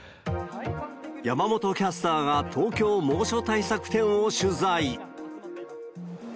山本キャスターが東京猛暑対策展を取材。